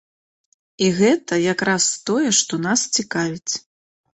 І гэта як раз тое, што нас цікавіць.